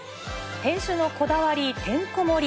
店主のこだわりてんこ盛り。